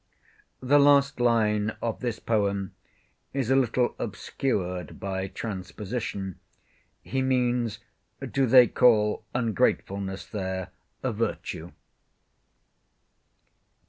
The last line of this poem is a little obscured by transposition. He means, Do they call ungratefulness there a virtue?